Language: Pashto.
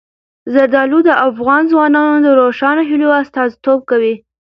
زردالو د افغان ځوانانو د روښانه هیلو استازیتوب کوي.